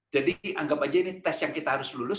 jadi anggap saja ini tes yang kita harus lulus